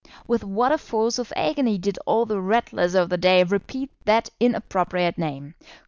With what a force of agony did all the Ratlers of the day repeat that inappropriate name!